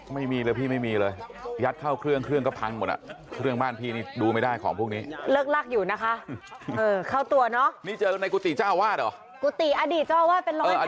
ไม่มีพี่ไม่มีมีที่ไหนเล่า